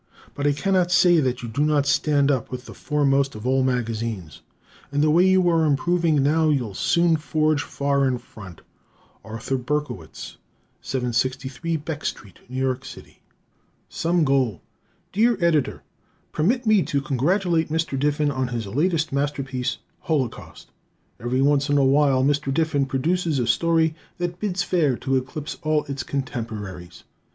But I cannot say that you do not stand up with the foremost of all magazines, and the way you are improving now you'll soon forge far in front. Arthur Berkowitz, 763 Beck St., New York City. Some Goal! Dear Editor: Permit me to congratulate Mr. Diffin on his latest masterpiece, "Holocaust." Every once in a while Mr. Diffin produces a story that bids fair to eclipse all its contemporaries.